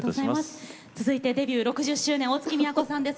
続いてデビュー６０周年大月みやこさんです。